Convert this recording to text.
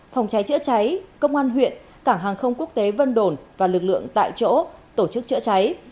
phòng cháy chữa cháy công an huyện cảng hàng không quốc tế vân đồn và lực lượng tại chỗ tổ chức chữa cháy